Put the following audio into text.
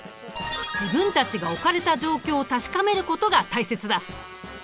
自分たちが置かれた状況を確かめることが大切だ。